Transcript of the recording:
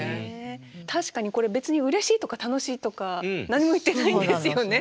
確かにこれ別にうれしいとか楽しいとか何も言ってないんですよね。